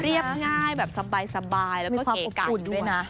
เรียบง่ายแบบสบายแล้วก็เอกไก่ด้วยนะ